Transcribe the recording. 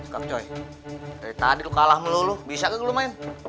cepet coy dari tadi lo kalah melulu bisa gak lo main